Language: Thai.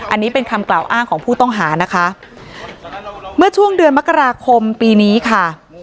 อันนี้เป็นคำกล่าวอ้างของผู้ต้องหานะคะเมื่อช่วงเดือนมกราคมปีนี้ค่ะ